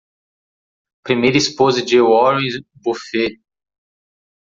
Primeira esposa de Warren Buffett.